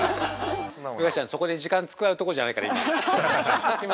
そこで時間使うとこじゃないから今。